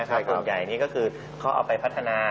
โดยส่วนใหญ่นี่ก็คือเขาเอาไปพัฒนา